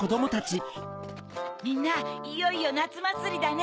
みんないよいよなつまつりだね！